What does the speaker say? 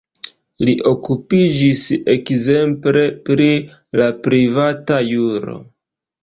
Li okupiĝis ekzemple pri la privata juro.